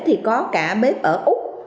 thì có cả bếp ở úc